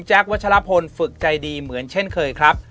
วัชลพลฝึกใจดีเหมือนเช่นเคยครับ